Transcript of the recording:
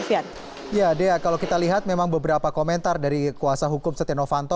ya dea kalau kita lihat memang beberapa komentar dari kuasa hukum setia novanto